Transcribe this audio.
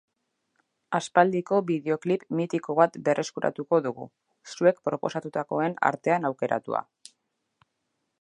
Aspaldiko bideoklip mitiko bat berreskuratuko dugu, zuek proposatutakoen artean aukeratuta.